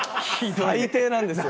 最低なんですよ。